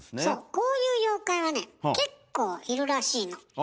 そうこういう妖怪はね結構いるらしいの。